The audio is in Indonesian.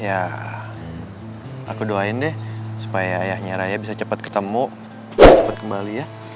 ya aku doain deh supaya ayahnya raya bisa cepet ketemu dan cepet kembali ya